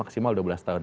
maksimal dua belas tahun